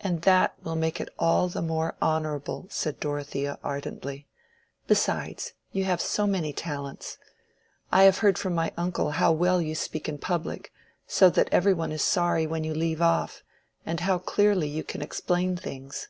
"And that will make it all the more honorable," said Dorothea, ardently. "Besides, you have so many talents. I have heard from my uncle how well you speak in public, so that every one is sorry when you leave off, and how clearly you can explain things.